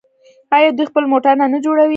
آیا دوی خپل موټرونه نه جوړوي؟